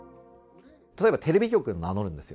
例えば、テレビ局を名乗るんですよ。